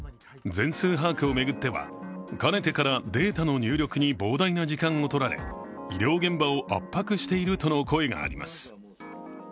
全数把握を巡ってはかねてからデータの入力に膨大な時間を取られ医療現場を圧迫しているとの声があります。